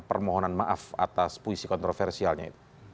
permohonan maaf atas puisi kontroversialnya itu